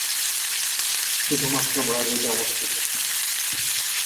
শুধুমাত্র ব্রাজিলে অবস্থিত।